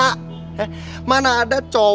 mana ada cowok yang mau menikah dengan aku